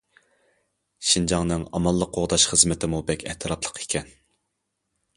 شىنجاڭنىڭ ئامانلىق قوغداش خىزمىتىمۇ بەك ئەتراپلىق ئىكەن.